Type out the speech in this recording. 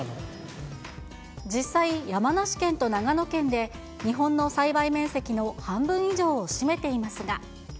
実際、山梨県と長野県で、日本の栽培面積の半分以上を占めていますが。